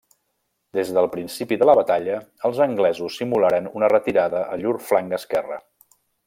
Des del principi de la batalla, els anglesos simularen una retirada a llur flanc esquerre.